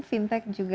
fintech juga juga